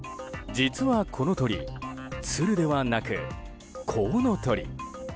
実は、この鳥ツルではなくコウノトリ。